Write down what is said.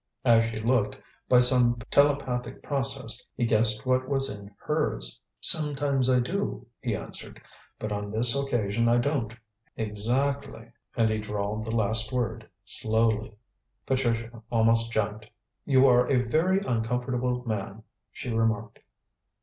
As she looked, by some telepathic process he guessed what was in hers. "Sometimes I do," he answered; "but on this occasion I don't exactly" and he drawled the last word slowly. Patricia almost jumped. "You are a very uncomfortable man," she remarked.